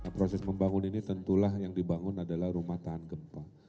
proses membangun ini tentulah yang dibangun adalah rumah tahan gempa